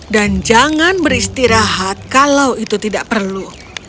dan jangan beristirahat kalau itu tidak perlu